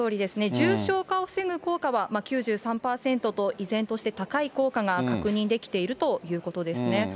重症化を防ぐ効果は９３％と、依然として高い効果が確認できているということですね。